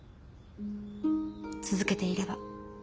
続けていれば。